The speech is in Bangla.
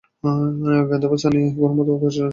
বেদান্তের ন্যায় কোন মতবাদ এত প্রচারশীল হয় নাই।